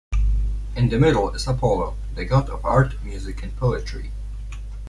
In the middle is Apollo the god of art, music and poetry.